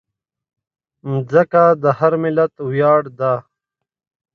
مځکه د هر ملت ویاړ ده.